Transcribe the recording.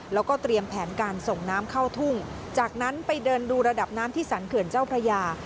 แล้วก็เตรียมแผนการส่งน้ำเข้าทุ่งจากนั้นไปเดินดูระดับน้ำที่สรรเขื่อนเจ้าพระยา